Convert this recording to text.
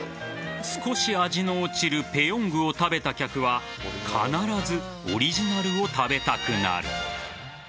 少し味の落ちるペヨングを食べた客は必ずオリジナルを食べたくなる。